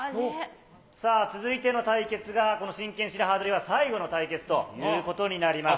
さあ、続いての対決が、この真剣白刃取り最後の対決ということになります。